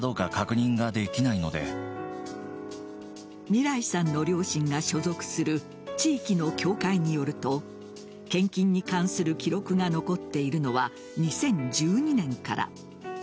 みらいさんの両親が所属する地域の教会によると献金に関する記録が残っているのは２０１２年から。